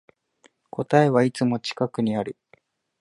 答えはいつも近くにある